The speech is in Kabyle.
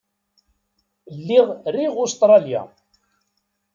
Lliɣ riɣ Ustṛalya.